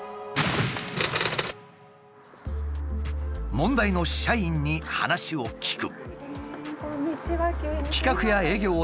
問題の社員に話を聞く。